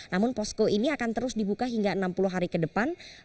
namun posko ini akan terus dibuka hingga enam puluh hari ke depan